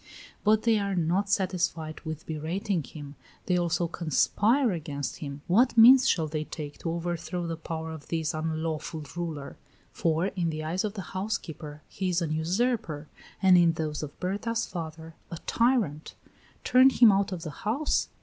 But they are not satisfied with berating him; they also conspire against him. What means shall they take to overthrow the power of this unlawful ruler? for in the eyes of the housekeeper he is a usurper, and in those of Berta's father, a tyrant; turn him out of the house?